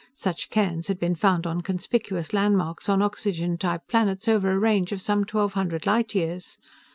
Such cairns had been found on conspicuous landmarks on oxygen type planets over a range of some twelve hundred light years.